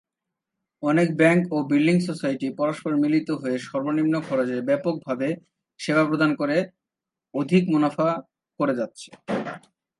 অনেক ব্যাংক ও building society পরস্পর মিলিত হয়ে সর্ব্ নিম্ন খরচে ব্যাপকভাবে সেবা প্রদান করে অধিক মুনাফা করে যাচ্ছে।